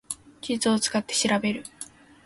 地図を使って調べる